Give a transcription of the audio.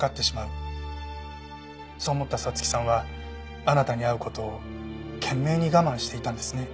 そう思った彩月さんはあなたに会う事を懸命に我慢していたんですね。